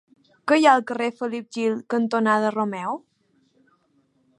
Què hi ha al carrer Felip Gil cantonada Romeu?